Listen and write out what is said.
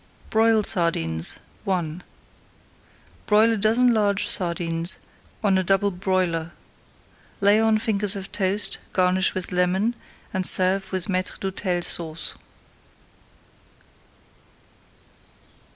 BROILED SARDINES I Broil a dozen large sardines on a double broiler. Lay on fingers of toast, garnish with lemon, and serve with Maître d'Hôtel Sauce.